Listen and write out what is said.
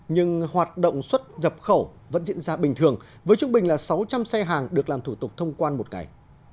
nhưng hoạt động xuất nhập khẩu vẫn diễn ra bình thường với trung bình là sáu trăm linh xe hàng được làm thủ tục thông quan một ngày